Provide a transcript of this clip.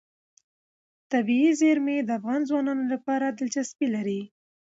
طبیعي زیرمې د افغان ځوانانو لپاره دلچسپي لري.